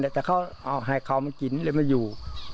แต่เขาเอาให้เขามากินเลยมาอยู่